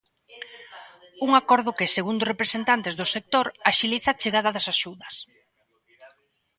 Un acordo que, segundo representantes do sector, axiliza a chegada das axudas.